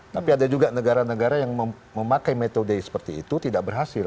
tapi ada juga negara negara yang memakai metode seperti itu tidak berhasil